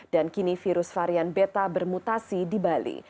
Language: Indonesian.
dan kini virus varian beta bermutasi di bali